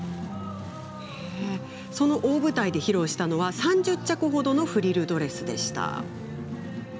その大舞台で披露したのは３０着ほどのフリルドレスでした。